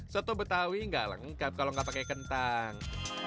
soto betawi enggak lengkap kalau enggak pakai kentang